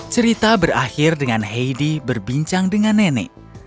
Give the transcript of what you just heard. cerita berakhir dengan heidi berbincang dengan nenek